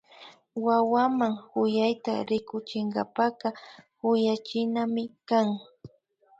Wawaman kuyayta rikuchinkapaka kuyachinami kan